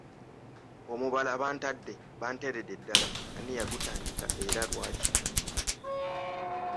Omubala ‘Bantadde banteeredde ddala’ ani yagutandika era lwaki?